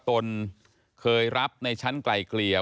ตนเคยรับในชั้นไกลเกลี่ย